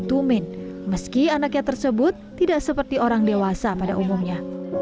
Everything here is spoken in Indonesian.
tumin meski anaknya tersebut tidak seperti orang dewasa pada umumnya